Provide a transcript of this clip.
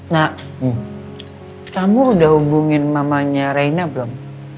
nak kamu udah hubungin mamanya raina belum